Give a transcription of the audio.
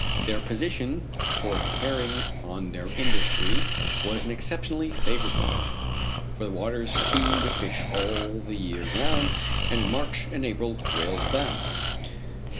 Their position for carrying on their industry was an exceptionally favorable one, for the waters teem with fish all the year round, and in March and April whales abound.